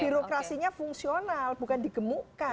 birokrasinya fungsional bukan digemukan